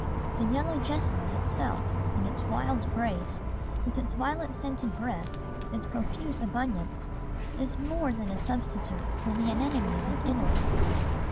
The yellow jessamine itself, in its wild grace, with its violet scented breath, its profuse abundance, is more than a substitute for the anemones of Italy.